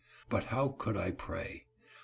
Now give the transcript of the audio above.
But how could I pray ?